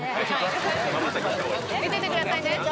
見ててくださいね。